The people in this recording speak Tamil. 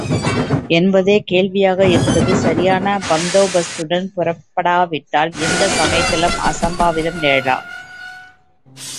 என்பதே கேள்வியாக இருந்தது சரியான பந்தோபஸ்துடன் புறப்படாவிட்டால், எந்தசமயத்திலும் அசம்பாவிதம் நிகழலாம்.